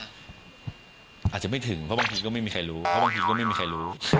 อาจจะไม่ถึงเพราะบางทีก็ไม่มีใครรู้